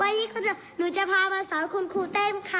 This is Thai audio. วันนี้หนูจะพามาสอนคุณครูเต้นค่ะ